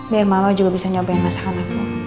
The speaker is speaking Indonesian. biar mama juga bisa nyobain masalahmu